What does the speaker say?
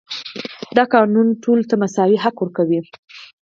دا قانون ټولو ته مساوي حق ورکوي.